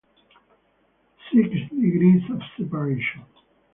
Six Degrees of Separation